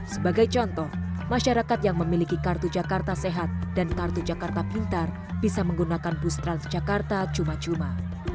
sebagai contoh masyarakat yang memiliki kartu jakarta sehat dan kartu jakarta pintar bisa menggunakan bus transjakarta cuma cuma